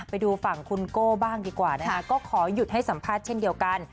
ไปดูฝั่งคุณโก้บ้างดีกว่านะคะก็ขอหยุดให้สัมภาษณ์เช่นเดียวกัน